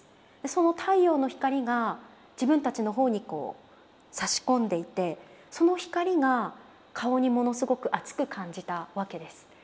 その太陽の光が自分たちの方にさし込んでいてその光が顔にものすごく熱く感じたわけです。